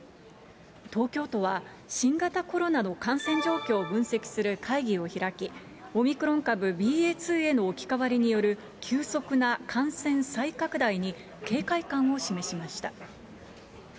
東京都は、新型コロナの感染状況を分析する会議を開き、オミクロン株ＢＡ．２への置き換わりによる急速な感染再拡大に警戒感を示しました。